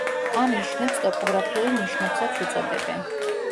ამ ნიშნებს ტოპოგრაფიულ ნიშნებსაც უწოდებენ.